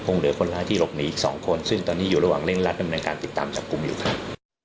เหลือคนร้ายที่หลบหนีอีก๒คนซึ่งตอนนี้อยู่ระหว่างเร่งรัดดำเนินการติดตามจับกลุ่มอยู่ครับ